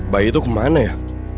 bayi itu kemana ya